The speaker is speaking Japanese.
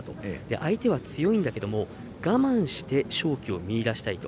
相手は強いんだけれども我慢して勝機を見出したいと。